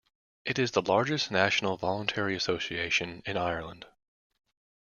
It is the largest national voluntary association in Ireland.